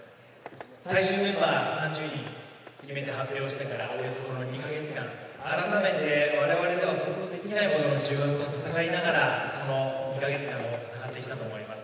最終メンバー３０人、決めて発表してからおよそ２か月間、改めてわれわれでは想像できないほどの重圧と戦いながら２か月間を戦ってきたと思います。